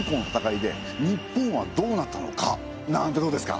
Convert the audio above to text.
そこで！なんてどうですか？